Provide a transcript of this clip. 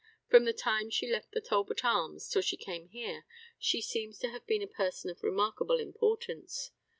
From the time she left the Talbot Arms till she came here she seems to have been a person of remarkable importance.